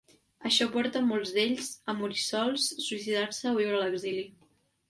Això porta a molts d'ells a morir sols, suïcidar-se o viure a l'exili.